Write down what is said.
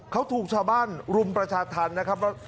เขาถูกชาวบ้านรุมประชาธรรมนะครับ